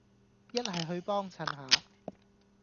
一係去幫襯下